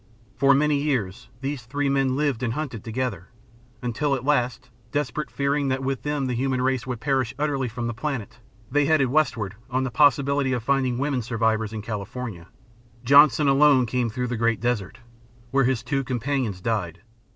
For many years these three men lived and hunted together, until, at last, desperate, fearing that with them the human race would perish utterly from the planet, they headed westward on the possibility of finding women survivors in California. Johnson alone came through the great desert, where his two companions died.